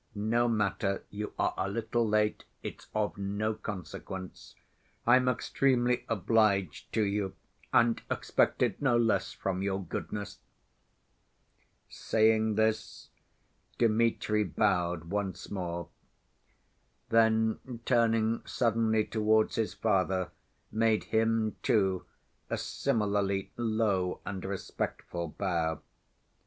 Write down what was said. "No matter. You are a little late. It's of no consequence...." "I'm extremely obliged to you, and expected no less from your goodness." Saying this, Dmitri bowed once more. Then, turning suddenly towards his father, made him, too, a similarly low and respectful bow.